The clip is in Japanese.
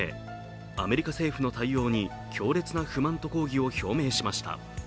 アメリカ政府の対応に強烈な不満と抗議を表明しました。